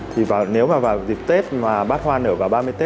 thì nếu mà vào dịp tết mà bát hoa nở vào ba mươi tết